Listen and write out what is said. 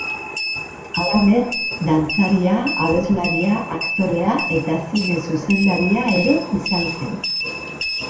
Halaber, dantzaria, abeslaria, aktorea eta zine zuzendaria ere izan zen.